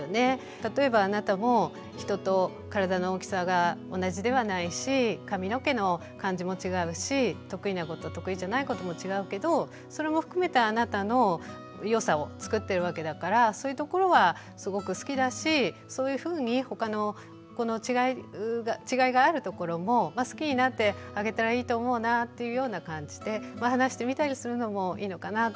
例えばあなたも人と体の大きさが同じではないし髪の毛の感じも違うし得意なこと得意じゃないことも違うけどそれも含めてあなたの良さをつくってるわけだからそういうところはすごく好きだしそういうふうに他の子の違いがあるところも好きになってあげたらいいと思うなっていうような感じで話してみたりするのもいいのかなと思います。